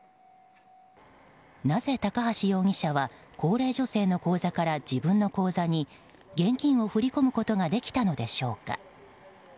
なぜ、高橋容疑者は高齢女性の口座から自分の口座に現金を振り込むことができたのでしょうか。